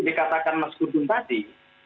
dikatakan mas gudun tadi